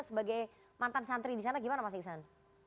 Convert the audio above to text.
sebagai mantan santri di sana gimana mas iksan